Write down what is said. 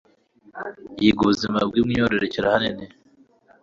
yiga ubuzima bw'imyororokere ahanini